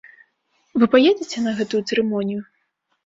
Вы паедзеце на гэтую цырымонію?